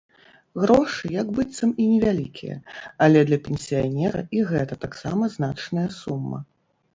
Грошы як быццам і невялікія, але для пенсіянера і гэта таксама значная сума.